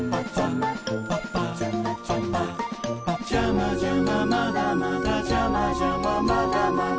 「ジャマジャマまだまだジャマジャマまだまだ」